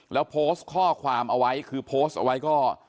แล้วโพสต์ข้อความเอาไว้คือโพสต์เอาไว้ก็